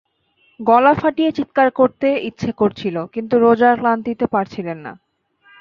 গলা ফাটিয়ে চিৎকার করতে ইচ্ছে করছিল, কিন্তু রোজার ক্লান্তিতে পারছিলেন না।